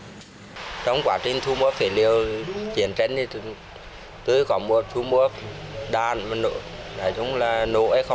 đối với người dân người thu mua phế liệu thì việc nhận biết các vật chứa chất nổ là rất khó